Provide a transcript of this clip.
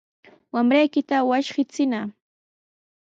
Wamraykita wasqichiyna.